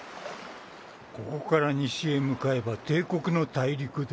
ここから西へ向かえば帝国の大陸だ。